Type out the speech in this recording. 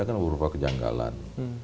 yang ada kan berupa kejanggalan